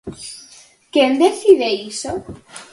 ¿Quen decide iso?